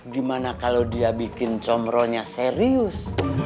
gimana kalau dia bikin comrohnya serius